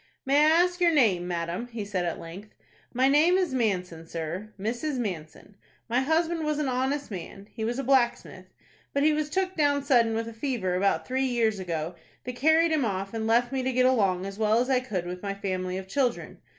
"May I ask your name, madam?" he said at length. "My name is Manson, sir, Mrs. Manson. My husband was an honest man,—he was a blacksmith,—but he was took down sudden with a fever about three years ago, that carried him off, and left me to get along as well as I could with my family of children.